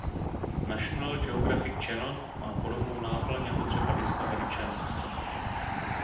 National Geographic Channel má podobnou náplň jako třeba Discovery Channel.